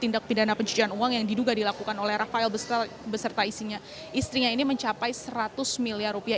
tindak pidana pencucian uang yang diduga dilakukan oleh rafael beserta istrinya ini mencapai seratus miliar rupiah